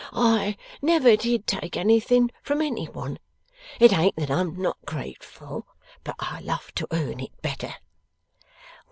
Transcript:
I never did take anything from any one. It ain't that I'm not grateful, but I love to earn it better.